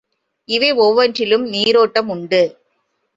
இவை ஒவ்வொன்றிலும் நீரோட்டம் உண்டு.